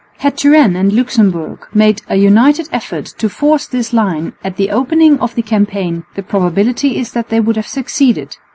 Had Turenne and Luxemburg made a united effort to force this line at the opening of the campaign the probability is that they would have succeeded.